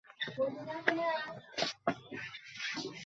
যারীদ বিন মুসাইয়্যিবের মৃত্যু তাকে পাগলিনী করেছে।